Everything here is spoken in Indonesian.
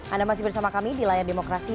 anda masih bersama kami di layar demokrasi